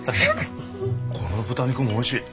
この豚肉もおいしい。